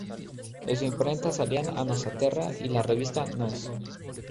De su imprenta salían "A Nosa Terra" y la revista "Nós".